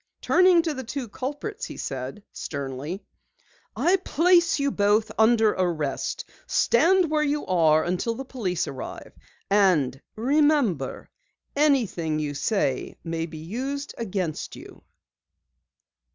Turning to the two culprits, he said sternly: "I place you both under arrest! Stand where you are until the police arrive, and remember, anything you say may be used against you."